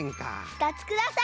ふたつください。